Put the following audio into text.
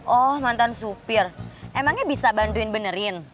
oh mantan supir emangnya bisa bantuin benerin